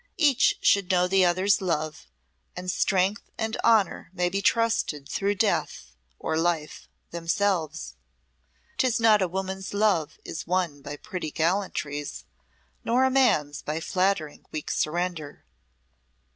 Each should know the other's love, and strength, and honour may be trusted through death or life themselves. 'Tis not a woman's love is won by pretty gallantries, nor a man's by flattering weak surrender.